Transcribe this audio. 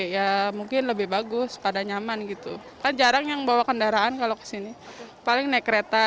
ya mungkin lebih bagus pada nyaman gitu kan jarang yang bawa kendaraan kalau kesini paling naik kereta